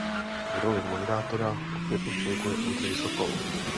V roli moderátora opět účinkuje Ondřej Sokol.